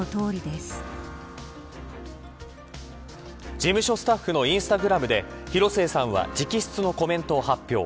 事務所スタッフのインスタグラムで広末さんは直筆のコメントを発表。